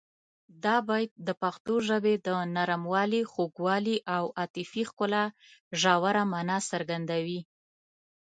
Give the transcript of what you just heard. دا بیت د پښتو ژبې د نرموالي، خوږوالي او عاطفي ښکلا ژوره مانا څرګندوي.